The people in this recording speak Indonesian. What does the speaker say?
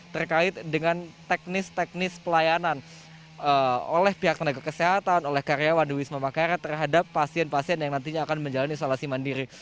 terkait dengan teknis teknis pelayanan oleh pihak tenaga kesehatan oleh karyawan di wisma makara terhadap pasien pasien yang nantinya akan menjalani isolasi mandiri